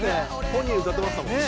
本人歌ってましたもん。